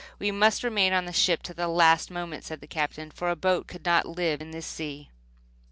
"We must remain on the ship to the last moment," said the Captain, "for a boat could not live in this sea."